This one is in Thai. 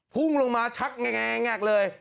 ภุ่งลงมาลึกงักเลย